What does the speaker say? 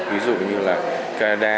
ví dụ như là canada